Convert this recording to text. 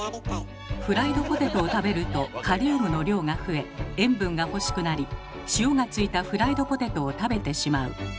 フライドポテトを食べるとカリウムの量が増え塩分が欲しくなり塩が付いたフライドポテトを食べてしまう。